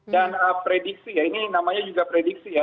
dan prediksi ya ini namanya juga prediksi ya